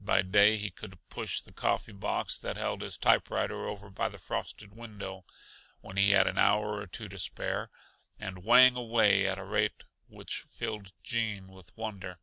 By day he could push the coffee box that held his typewriter over by the frosted window when he had an hour or two to spare and whang away at a rate which filled Gene with wonder.